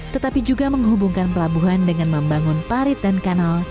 tetapi juga menghubungkan pelabuhan dengan membangun parit dan kanal